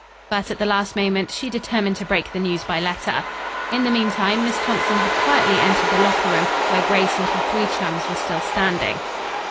But at the last moment she determined to break the news by letter. In the meantime, Miss Thompson had quietly entered the locker room, where Grace and her three chums were still standing.